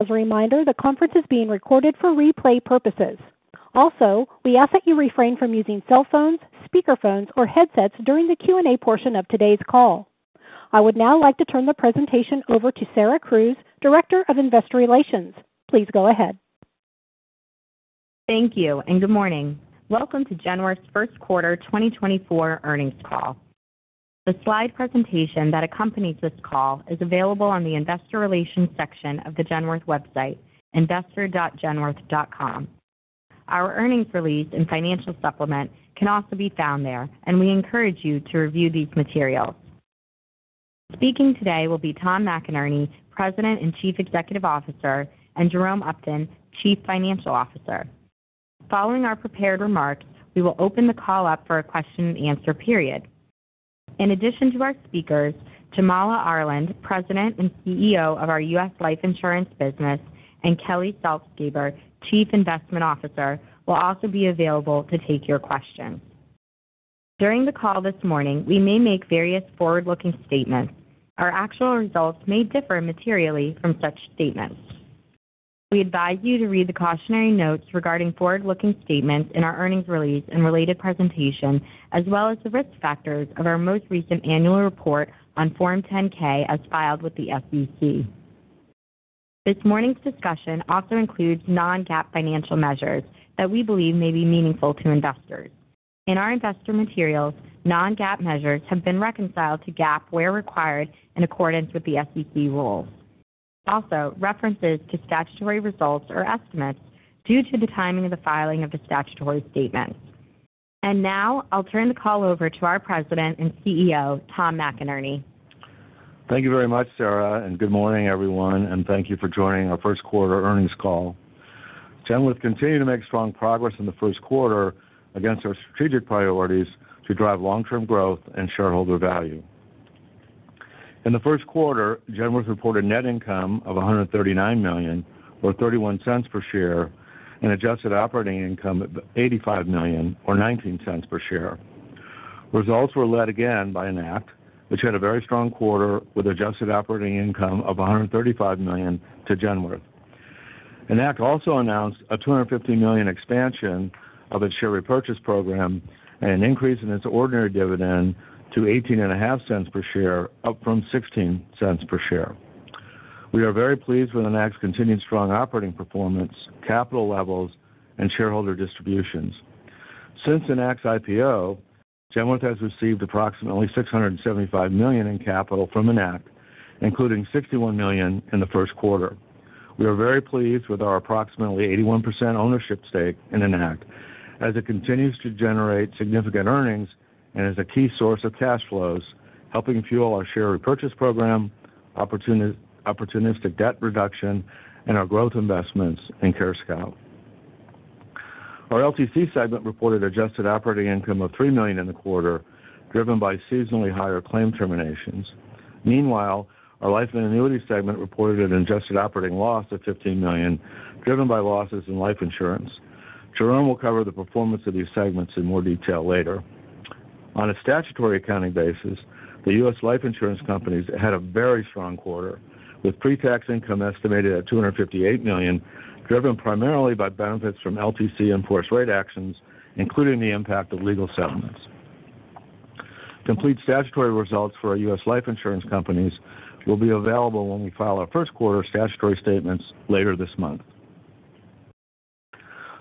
As a reminder, the conference is being recorded for replay purposes. Also, we ask that you refrain from using cell phones, speakerphones, or headsets during the Q&A portion of today's call. I would now like to turn the presentation over to Sarah Crews, Director of Investor Relations. Please go ahead. Thank you, and good morning. Welcome to Genworth's first quarter 2024 earnings call. The slide presentation that accompanies this call is available on the Investor Relations section of the Genworth website, investor.genworth.com. Our earnings release and financial supplement can also be found there, and we encourage you to review these materials. Speaking today will be Tom McInerney, President and Chief Executive Officer, and Jerome Upton, Chief Financial Officer. Following our prepared remarks, we will open the call up for a question-and-answer period. In addition to our speakers, Jamala Arland, President and CEO of our U.S. Life Insurance business, and Kelly Saltzgaber, Chief Investment Officer, will also be available to take your questions. During the call this morning, we may make various forward-looking statements. Our actual results may differ materially from such statements. We advise you to read the cautionary notes regarding forward-looking statements in our earnings release and related presentation, as well as the risk factors of our most recent annual report on Form 10-K, as filed with the SEC. This morning's discussion also includes non-GAAP financial measures that we believe may be meaningful to investors. In our investor materials, non-GAAP measures have been reconciled to GAAP where required in accordance with the SEC rules. Also, references to statutory results or estimates due to the timing of the filing of the statutory statements. Now I'll turn the call over to our President and CEO, Tom McInerney. Thank you very much, Sarah, and good morning, everyone, and thank you for joining our first quarter earnings call. Genworth continued to make strong progress in the first quarter against our strategic priorities to drive long-term growth and shareholder value. In the first quarter, Genworth reported net income of $139 million, or $0.31 per share, and adjusted operating income of $85 million or $0.19 per share. Results were led again by Enact, which had a very strong quarter with adjusted operating income of $135 million to Genworth. Enact also announced a $250 million expansion of its share repurchase program and an increase in its ordinary dividend to $0.185 per share, up from $0.16 per share. We are very pleased with Enact's continued strong operating performance, capital levels, and shareholder distributions. Since Enact's IPO, Genworth has received approximately $675 million in capital from Enact, including $61 million in the first quarter. We are very pleased with our approximately 81% ownership stake in Enact, as it continues to generate significant earnings and is a key source of cash flows, helping fuel our share repurchase program, opportunistic debt reduction, and our growth investments in CareScout. Our LTC segment reported adjusted operating income of $3 million in the quarter, driven by seasonally higher claim terminations. Meanwhile, our life and annuity segment reported an adjusted operating loss of $15 million, driven by losses in life insurance. Jerome will cover the performance of these segments in more detail later. On a statutory accounting basis, the U.S. life insurance companies had a very strong quarter, with pre-tax income estimated at $258 million, driven primarily by benefits from LTC enforced rate actions, including the impact of legal settlements. Complete statutory results for our U.S. life insurance companies will be available when we file our first-quarter statutory statements later this month.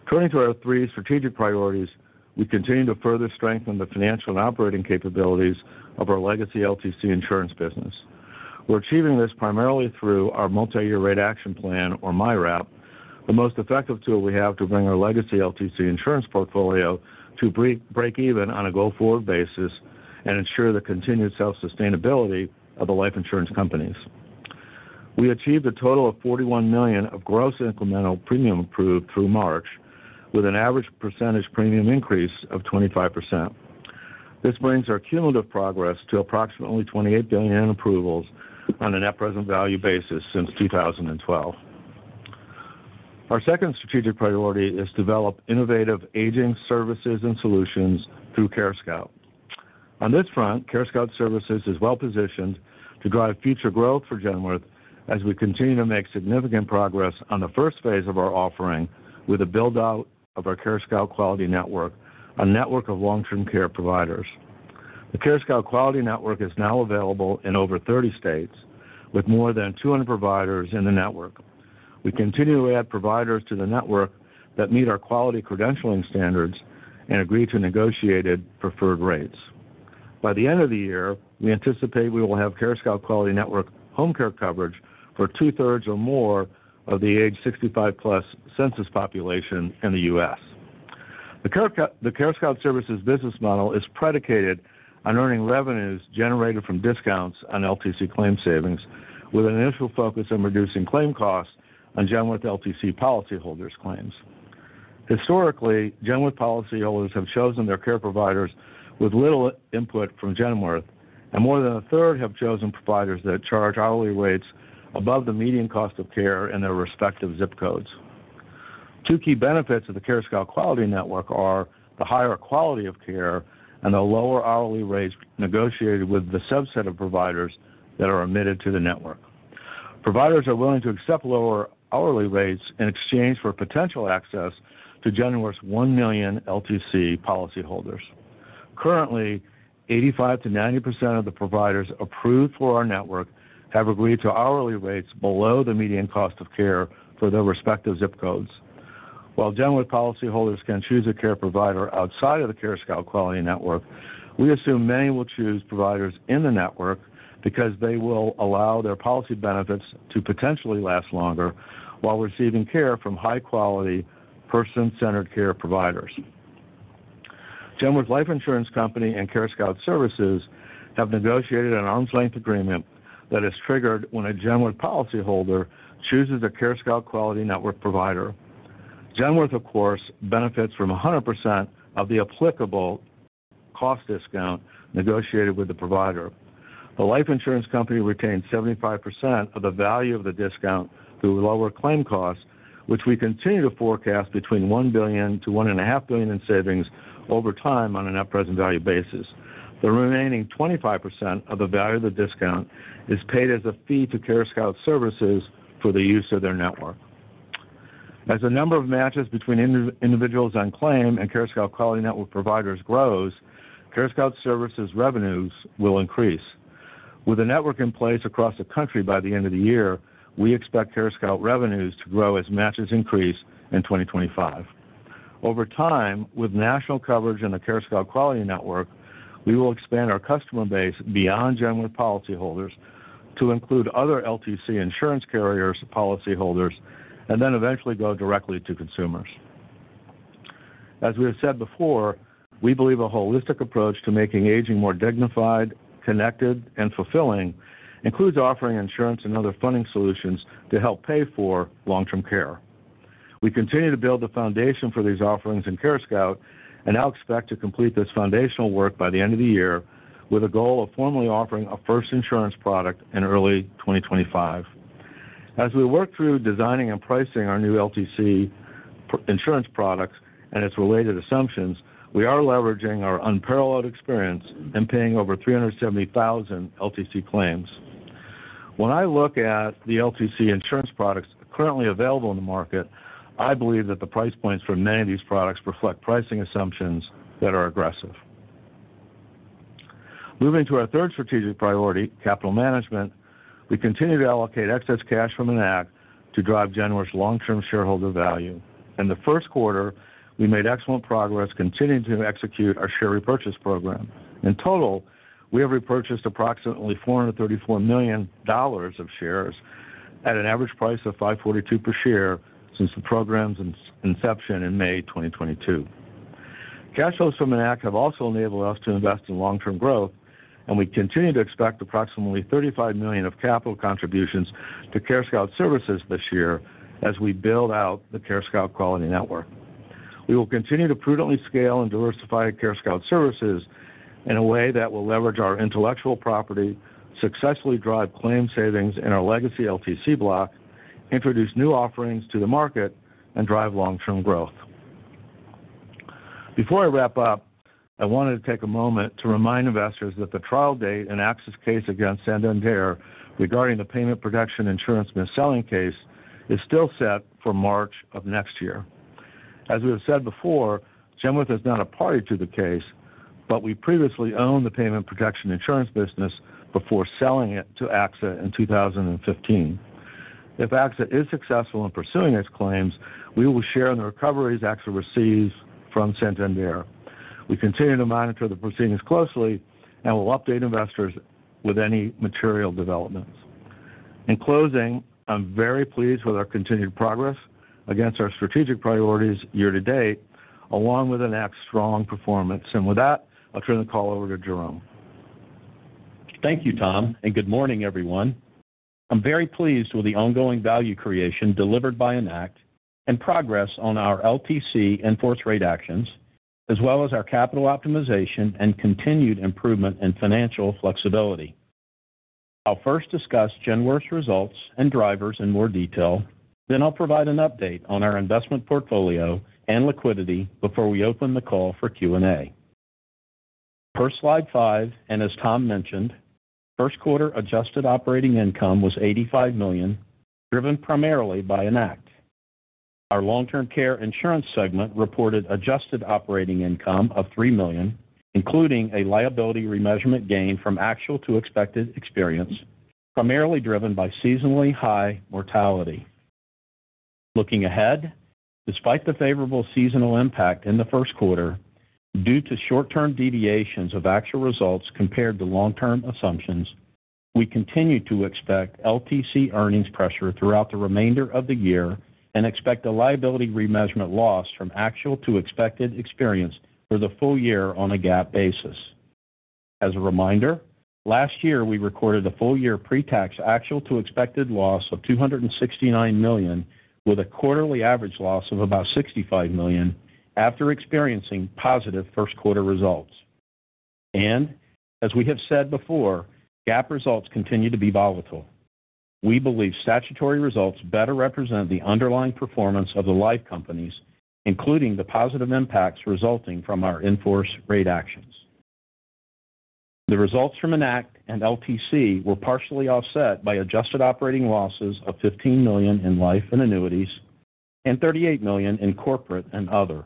Turning to our three strategic priorities, we continue to further strengthen the financial and operating capabilities of our legacy LTC insurance business. We're achieving this primarily through our Multi-Year Rate Action Plan, or MYRAP, the most effective tool we have to bring our legacy LTC insurance portfolio to break even on a go-forward basis and ensure the continued self-sustainability of the life insurance companies. We achieved a total of $41 million of gross incremental premium approved through March, with an average percentage premium increase of 25%. This brings our cumulative progress to approximately $28 billion in approvals on a net present value basis since 2012. Our second strategic priority is to develop innovative aging services and solutions through CareScout. On this front, CareScout Services is well-positioned to drive future growth for Genworth as we continue to make significant progress on the first phase of our offering with the build-out of our CareScout Quality Network, a network of long-term care providers. The CareScout Quality Network is now available in over 30 states, with more than 200 providers in the network. We continue to add providers to the network that meet our quality credentialing standards and agree to negotiated preferred rates. By the end of the year, we anticipate we will have CareScout Quality Network home care coverage for two-thirds or more of the age 65+ census population in the U.S. The CareScout Services business model is predicated on earning revenues generated from discounts on LTC claim savings, with an initial focus on reducing claim costs on Genworth LTC policyholders' claims. Historically, Genworth policyholders have chosen their care providers with little input from Genworth, and more than a third have chosen providers that charge hourly rates above the median cost of care in their respective ZIP codes. Two key benefits of the CareScout Quality Network are the higher quality of care and the lower hourly rates negotiated with the subset of providers that are admitted to the network. Providers are willing to accept lower hourly rates in exchange for potential access to Genworth's 1 million LTC policyholders. Currently, 85%-90% of the providers approved for our network have agreed to hourly rates below the median cost of care for their respective ZIP codes. While Genworth policyholders can choose a care provider outside of the CareScout Quality Network, we assume many will choose providers in the network because they will allow their policy benefits to potentially last longer while receiving care from high-quality, person-centered care providers. Genworth Life Insurance Company and CareScout Services have negotiated an arm's-length agreement that is triggered when a Genworth policyholder chooses a CareScout Quality Network provider. Genworth, of course, benefits from 100% of the applicable cost discount negotiated with the provider. The life insurance company retains 75% of the value of the discount through lower claim costs, which we continue to forecast between $1 billion-$1.5 billion in savings over time on a net present value basis. The remaining 25% of the value of the discount is paid as a fee to CareScout Services for the use of their network. As the number of matches between individuals on claim and CareScout Quality Network providers grows, CareScout Services revenues will increase. With a network in place across the country by the end of the year, we expect CareScout revenues to grow as matches increase in 2025. Over time, with national coverage in the CareScout Quality Network, we will expand our customer base beyond Genworth policyholders to include other LTC insurance carriers policyholders, and then eventually go directly to consumers. As we have said before, we believe a holistic approach to making aging more dignified, connected, and fulfilling includes offering insurance and other funding solutions to help pay for long-term care. We continue to build the foundation for these offerings in CareScout, and now expect to complete this foundational work by the end of the year, with a goal of formally offering our first insurance product in early 2025. As we work through designing and pricing our new LTC insurance products and its related assumptions, we are leveraging our unparalleled experience in paying over 370,000 LTC claims. When I look at the LTC insurance products currently available in the market, I believe that the price points for many of these products reflect pricing assumptions that are aggressive. Moving to our third strategic priority, capital management, we continue to allocate excess cash from Enact to drive Genworth's long-term shareholder value. In the first quarter, we made excellent progress continuing to execute our share repurchase program. In total, we have repurchased approximately $434 million of shares at an average price of $5.42 per share since the program's inception in May 2022. Cash flows from Enact have also enabled us to invest in long-term growth, and we continue to expect approximately $35 million of capital contributions to CareScout Services this year as we build out the CareScout Quality Network. We will continue to prudently scale and diversify CareScout Services in a way that will leverage our intellectual property, successfully drive claim savings in our legacy LTC block, introduce new offerings to the market, and drive long-term growth. Before I wrap up, I wanted to take a moment to remind investors that the trial date in AXA's case against Santander regarding the payment protection insurance mis-selling case is still set for March of next year. As we have said before, Genworth is not a party to the case, but we previously owned the payment protection insurance business before selling it to AXA in 2015. If AXA is successful in pursuing its claims, we will share in the recoveries AXA receives from Santander. We continue to monitor the proceedings closely, and we'll update investors with any material developments. In closing, I'm very pleased with our continued progress against our strategic priorities year to date, along with Enact's strong performance. With that, I'll turn the call over to Jerome. Thank you, Tom, and good morning, everyone. I'm very pleased with the ongoing value creation delivered by Enact and progress on our LTC in-force rate actions, as well as our capital optimization and continued improvement in financial flexibility. I'll first discuss Genworth's results and drivers in more detail, then I'll provide an update on our investment portfolio and liquidity before we open the call for Q&A. Per slide 5, and as Tom mentioned, first quarter adjusted operating income was $85 million, driven primarily by Enact. Our long-term care insurance segment reported adjusted operating income of $3 million, including a liability remeasurement gain from actual to expected experience, primarily driven by seasonally high mortality. Looking ahead, despite the favorable seasonal impact in the first quarter, due to short-term deviations of actual results compared to long-term assumptions, we continue to expect LTC earnings pressure throughout the remainder of the year and expect a liability remeasurement loss from actual to expected experience for the full year on a GAAP basis. As a reminder, last year, we recorded a full-year pretax actual to expected loss of $269 million, with a quarterly average loss of about $65 million after experiencing positive first quarter results. And as we have said before, GAAP results continue to be volatile. We believe statutory results better represent the underlying performance of the life companies, including the positive impacts resulting from our in-force rate actions. The results from Enact and LTC were partially offset by adjusted operating losses of $15 million in life and annuities, and $38 million in corporate and other.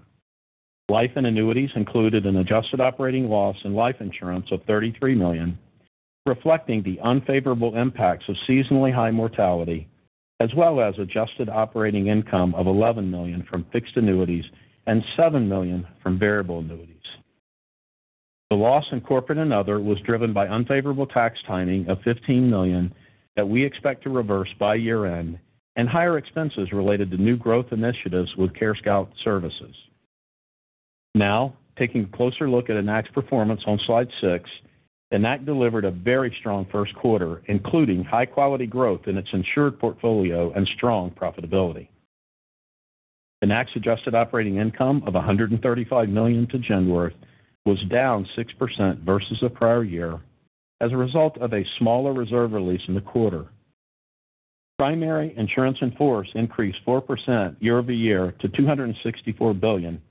Life and annuities included an adjusted operating loss in life insurance of $33 million, reflecting the unfavorable impacts of seasonally high mortality, as well as adjusted operating income of $11 million from fixed annuities and $7 million from variable annuities. The loss in corporate and other was driven by unfavorable tax timing of $15 million that we expect to reverse by year-end, and higher expenses related to new growth initiatives with CareScout Services. Now, taking a closer look at Enact's performance on slide 6, Enact delivered a very strong first quarter, including high-quality growth in its insured portfolio and strong profitability. Enact's adjusted operating income of $135 million to Genworth was down 6% versus the prior year as a result of a smaller reserve release in the quarter. Primary insurance in force increased 4% year-over-year to $264 billion,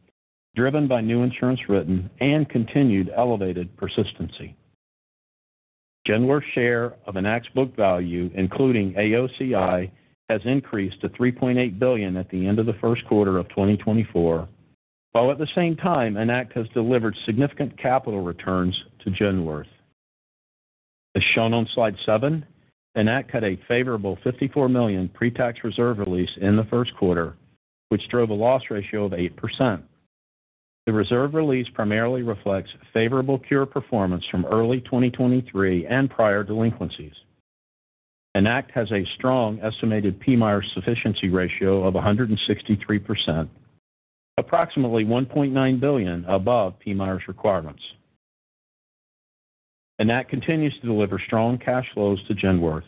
driven by new insurance written and continued elevated persistency. Genworth's share of Enact's book value, including AOCI, has increased to $3.8 billion at the end of the first quarter of 2024, while at the same time, Enact has delivered significant capital returns to Genworth. As shown on slide 7, Enact had a favorable $54 million pretax reserve release in the first quarter, which drove a loss ratio of 8%. The reserve release primarily reflects favorable cure performance from early 2023 and prior delinquencies. Enact has a strong estimated PMIER sufficiency ratio of 163%, approximately $1.9 billion above PMIERs requirements. Enact continues to deliver strong cash flows to Genworth.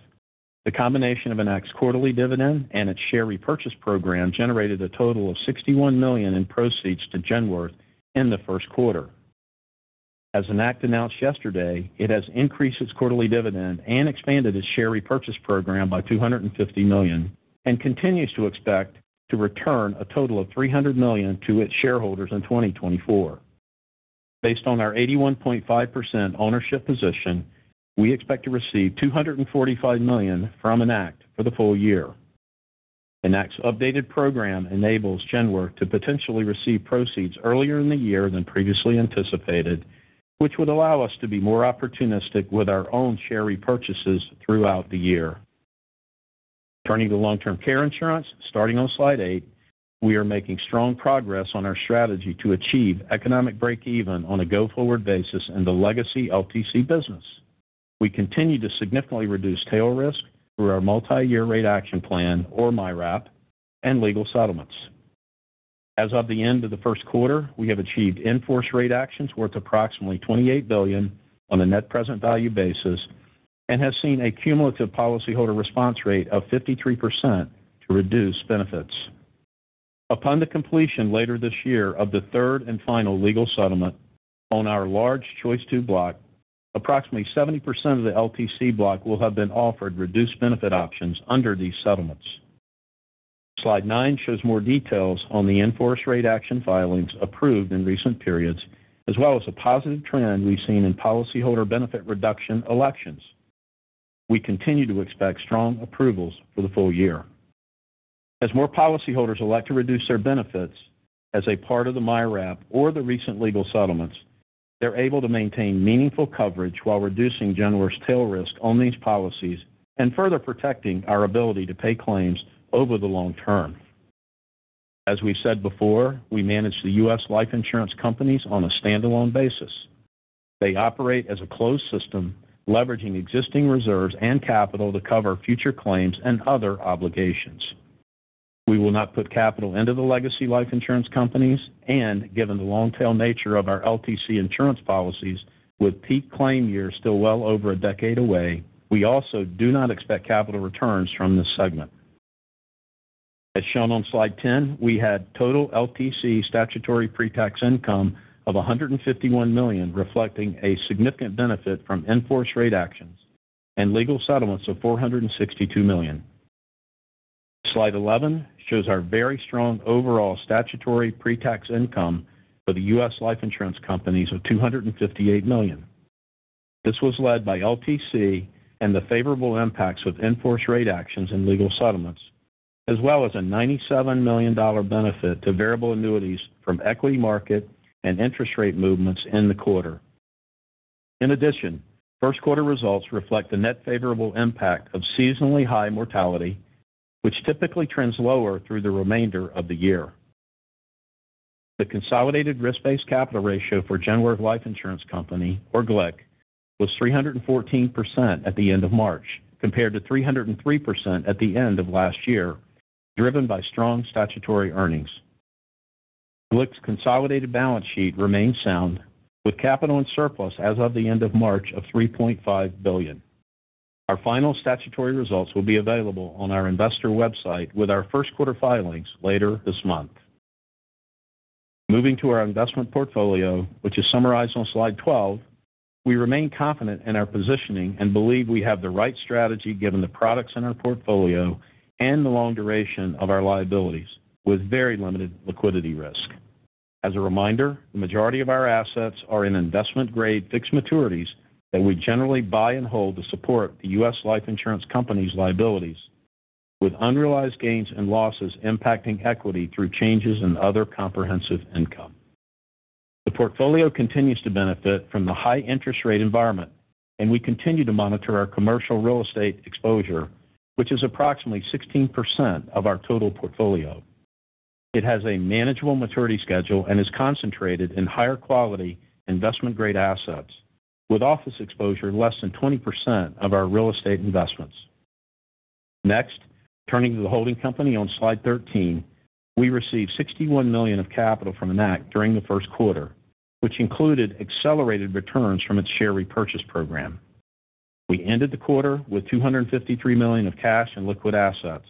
The combination of Enact's quarterly dividend and its share repurchase program generated a total of $61 million in proceeds to Genworth in the first quarter. As Enact announced yesterday, it has increased its quarterly dividend and expanded its share repurchase program by $250 million, and continues to expect to return a total of $300 million to its shareholders in 2024. Based on our 81.5% ownership position, we expect to receive $245 million from Enact for the full year. Enact's updated program enables Genworth to potentially receive proceeds earlier in the year than previously anticipated, which would allow us to be more opportunistic with our own share repurchases throughout the year. Turning to long-term care insurance, starting on slide 8, we are making strong progress on our strategy to achieve economic breakeven on a go-forward basis in the legacy LTC business. We continue to significantly reduce tail risk through our Multi-Year Rate Action Plan, or MYRAP, and legal settlements. As of the end of the first quarter, we have achieved in-force rate actions worth approximately $28 billion on a net present value basis, and have seen a cumulative policyholder response rate of 53% to reduce benefits. Upon the completion later this year of the third and final legal settlement on our large Choice II block, approximately 70% of the LTC block will have been offered reduced benefit options under these settlements. Slide 9 shows more details on the in-force rate action filings approved in recent periods, as well as a positive trend we've seen in policyholder benefit reduction elections. We continue to expect strong approvals for the full year. As more policyholders elect to reduce their benefits as a part of the MYRAP or the recent legal settlements, they're able to maintain meaningful coverage while reducing Genworth's tail risk on these policies and further protecting our ability to pay claims over the long term. As we've said before, we manage the U.S. life insurance companies on a stand-alone basis. They operate as a closed system, leveraging existing reserves and capital to cover future claims and other obligations. We will not put capital into the legacy life insurance companies, and given the long-tail nature of our LTC insurance policies, with peak claim years still well over a decade away, we also do not expect capital returns from this segment. As shown on slide 10, we had total LTC statutory pretax income of $151 million, reflecting a significant benefit from in-force rate actions and legal settlements of $462 million. Slide 11 shows our very strong overall statutory pretax income for the U.S. life insurance companies of $258 million. This was led by LTC and the favorable impacts of in-force rate actions and legal settlements, as well as a $97 million benefit to variable annuities from equity market and interest rate movements in the quarter. In addition, first quarter results reflect the net favorable impact of seasonally high mortality, which typically trends lower through the remainder of the year. The consolidated risk-based capital ratio for Genworth Life Insurance Company, or GLIC, was 314% at the end of March, compared to 303% at the end of last year, driven by strong statutory earnings. GLIC's consolidated balance sheet remains sound, with capital and surplus as of the end of March of $3.5 billion. Our final statutory results will be available on our investor website with our first quarter filings later this month. Moving to our investment portfolio, which is summarized on slide 12, we remain confident in our positioning and believe we have the right strategy given the products in our portfolio and the long duration of our liabilities, with very limited liquidity risk. As a reminder, the majority of our assets are in investment-grade fixed maturities that we generally buy and hold to support the U.S. life insurance company's liabilities, with unrealized gains and losses impacting equity through changes in other comprehensive income. The portfolio continues to benefit from the high interest rate environment, and we continue to monitor our commercial real estate exposure, which is approximately 16% of our total portfolio. It has a manageable maturity schedule and is concentrated in higher quality investment-grade assets, with office exposure less than 20% of our real estate investments. Next, turning to the holding company on slide 13. We received $61 million of capital from Enact during the first quarter, which included accelerated returns from its share repurchase program. We ended the quarter with $253 million of cash and liquid assets.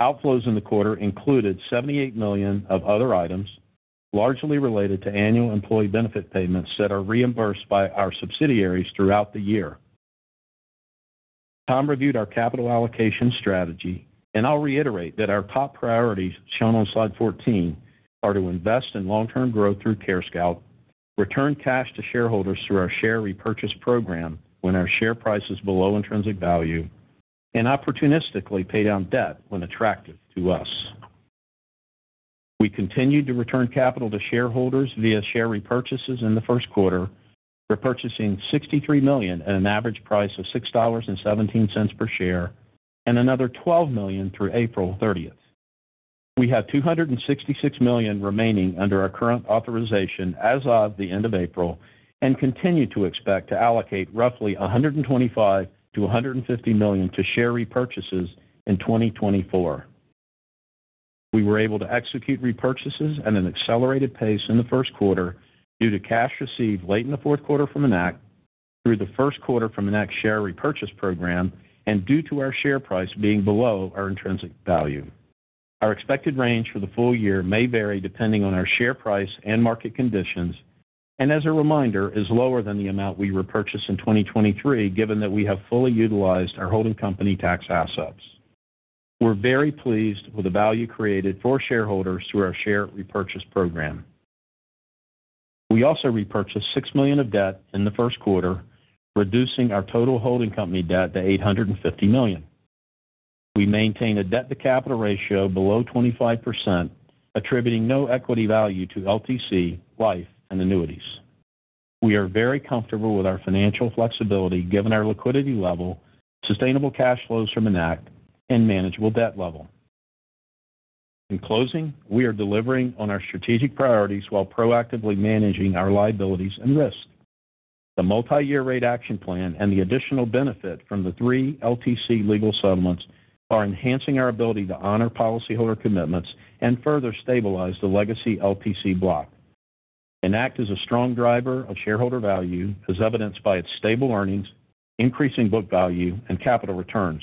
Outflows in the quarter included $78 million of other items, largely related to annual employee benefit payments that are reimbursed by our subsidiaries throughout the year. Tom reviewed our capital allocation strategy, and I'll reiterate that our top priorities, shown on slide 14, are to invest in long-term growth through CareScout, return cash to shareholders through our share repurchase program when our share price is below intrinsic value, and opportunistically pay down debt when attractive to us. We continued to return capital to shareholders via share repurchases in the first quarter, repurchasing $63 million at an average price of $6.17 per share, and another $12 million through April 30th. We have $266 million remaining under our current authorization as of the end of April, and continue to expect to allocate roughly $125 million-$150 million to share repurchases in 2024. We were able to execute repurchases at an accelerated pace in the first quarter due to cash received late in the fourth quarter from Enact, through the first quarter from Enact share repurchase program, and due to our share price being below our intrinsic value. Our expected range for the full year may vary depending on our share price and market conditions, and as a reminder, is lower than the amount we repurchased in 2023, given that we have fully utilized our holding company tax assets. We're very pleased with the value created for shareholders through our share repurchase program. We also repurchased $6 million of debt in the first quarter, reducing our total holding company debt to $850 million. We maintain a debt-to-capital ratio below 25%, attributing no equity value to LTC, Life and Annuities. We are very comfortable with our financial flexibility, given our liquidity level, sustainable cash flows from Enact, and manageable debt level. In closing, we are delivering on our strategic priorities while proactively managing our liabilities and risk. The Multi-Year Rate Action Plan and the additional benefit from the three LTC legal settlements are enhancing our ability to honor policyholder commitments and further stabilize the legacy LTC block. Enact is a strong driver of shareholder value, as evidenced by its stable earnings, increasing book value and capital returns.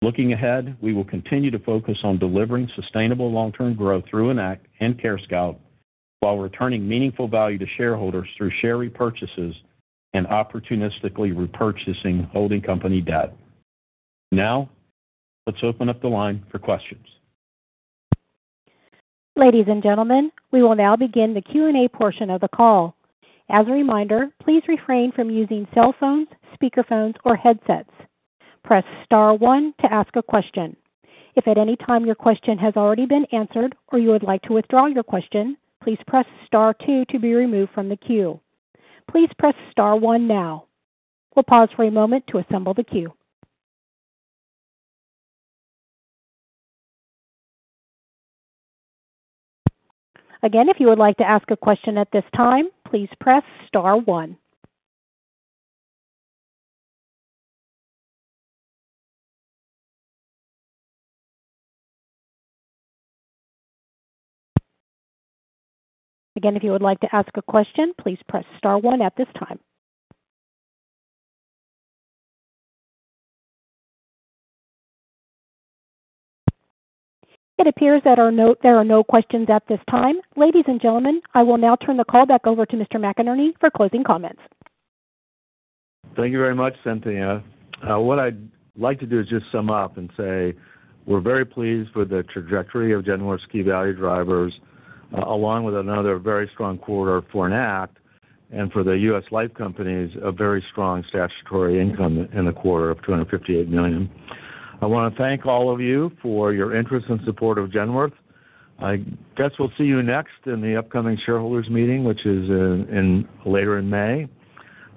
Looking ahead, we will continue to focus on delivering sustainable long-term growth through Enact and CareScout, while returning meaningful value to shareholders through share repurchases and opportunistically repurchasing holding company debt. Now, let's open up the line for questions. Ladies and gentlemen, we will now begin the Q&A portion of the call. As a reminder, please refrain from using cell phones, speakerphones, or headsets. Press star one to ask a question. If at any time your question has already been answered or you would like to withdraw your question, please press star two to be removed from the queue. Please press star one now. We'll pause for a moment to assemble the queue. Again, if you would like to ask a question at this time, please press star one. Again, if you would like to ask a question, please press star one at this time. It appears there are no questions at this time. Ladies and gentlemen, I will now turn the call back over to Mr. McInerney for closing comments. Thank you very much, Cynthia. What I'd like to do is just sum up and say, we're very pleased with the trajectory of Genworth's key value drivers, along with another very strong quarter for Enact and for the U.S. Life companies, a very strong statutory income in the quarter of $258 million. I want to thank all of you for your interest and support of Genworth. I guess we'll see you next in the upcoming shareholders meeting, which is later in May,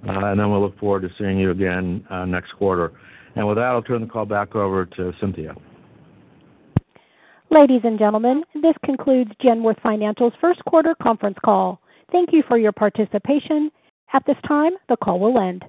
and then we'll look forward to seeing you again, next quarter. And with that, I'll turn the call back over to Cynthia. Ladies and gentlemen, this concludes Genworth Financial's first quarter conference call. Thank you for your participation. At this time, the call will end.